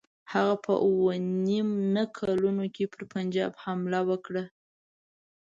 هغه په اووه نیم نه کلونو کې پر پنجاب حمله وکړه.